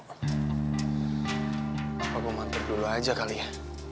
apa gue mantep dulu aja kali ya